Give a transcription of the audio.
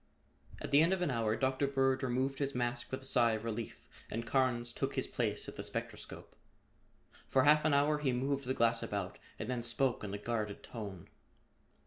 At the end of an hour Dr. Bird removed his mask with a sigh of relief and Carnes took his place at the spectroscope. For half an hour he moved the glass about and then spoke in a guarded tone.